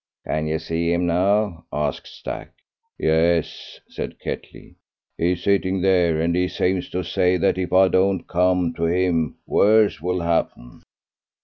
"Can you see him now?" asked Stack. "Yes," said Ketley; "he's a sitting there, and he seems to say that if I don't come to him worse will happen."